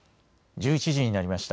１１時になりました。